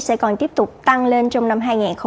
sẽ còn tiếp tục tăng lên trong năm hai nghìn một mươi chín